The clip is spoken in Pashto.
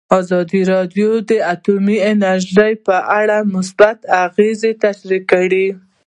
ازادي راډیو د اټومي انرژي په اړه مثبت اغېزې تشریح کړي.